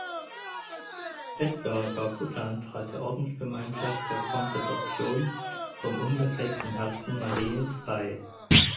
Edgar Gacutan trat der Ordensgemeinschaft der Kongregation vom Unbefleckten Herzen Mariens bei.